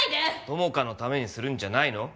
友果のためにするんじゃないの？